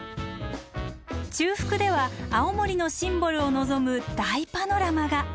中腹では青森のシンボルを望む大パノラマが。